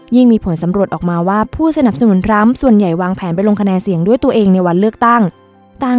มีผลสำรวจออกมาว่าผู้สนับสนุนทรัมป์ส่วนใหญ่วางแผนไปลงคะแนนเสียงด้วยตัวเองในวันเลือกตั้งต่าง